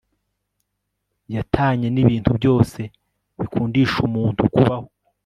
yatanye nibintu byose bikundishumuntu kubaho